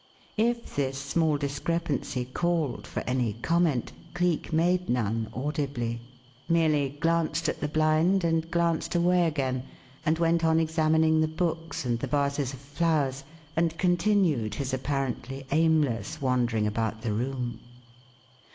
If this small discrepancy called for any comment, Cleek made none audibly; merely glanced at the blind and glanced away again, and went on examining the books and the vases of flowers, and continued his apparently aimless wandering about the room.